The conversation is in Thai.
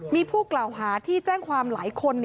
มีผู้กล่าวหาที่แจ้งความหลายคน